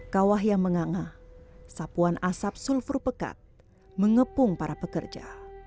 kawah yang menganga sapuan asap sulfur pekat mengepung para pekerja